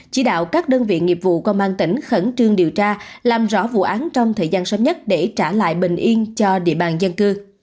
chỉ đạo các đơn vị nghiệp vụ công an tỉnh khẩn trương điều tra làm rõ vụ án trong thời gian sớm nhất để trả lại bình yên cho địa bàn dân cư